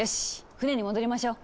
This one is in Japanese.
船に戻りましょう。